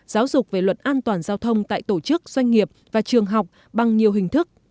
giáo dục về luật an toàn giao thông tại tổ chức doanh nghiệp và trường học bằng nhiều hình thức